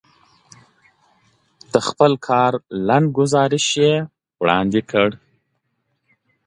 د خپل کار لنډکی ګزارش وړاندې کړ.